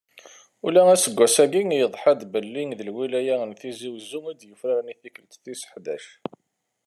Ula d aseggas-agi, yeḍḥa-d belli d lwilaya n Tizi Uzzu i d-yufraren i tikkelt tis ḥdac.